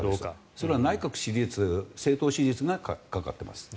それは内閣支持率、政党支持率が関わっています。